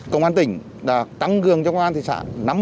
công an tỉnh đã tăng cường cho công an thị xã